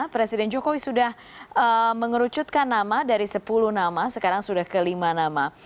presiden jokowi sudah mengerucutkan nama dari sepuluh nama sekarang sudah ke lima nama